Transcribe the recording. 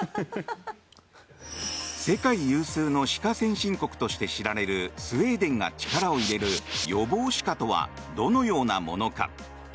世界有数の歯科先進国として知られるスウェーデンが力を入れる予防歯科とはどのようなものか。